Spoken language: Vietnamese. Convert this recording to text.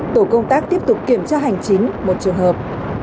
tổ công tác tiếp tục kiểm tra hành chính một trường hợp